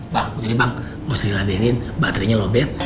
bang jadi bang mau seri ngadenin baterenya lobet